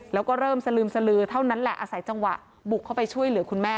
แล้วก็เริ่มสลึมสลือเท่านั้นแหละอาศัยจังหวะบุกเข้าไปช่วยเหลือคุณแม่